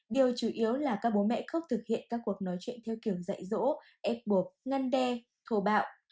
điều chủ yếu là các bố mẹ không thực hiện các cuộc nói chuyện theo kiểu dạy dỗ ép buộc ngăn đe khâu bạo